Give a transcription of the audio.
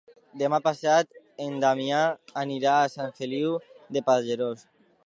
Demà passat en Damià anirà a Sant Feliu de Pallerols.